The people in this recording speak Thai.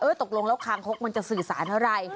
เออตกลงแล้วข้างคกมันจะสื่อสารเท่าไหร่